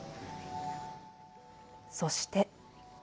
そして。